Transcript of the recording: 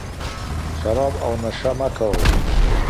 شراب او نشه مه کوئ.